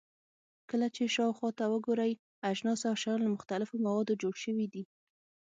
کله چې شاوخوا ته وګورئ، اجناس او شیان له مختلفو موادو جوړ شوي دي.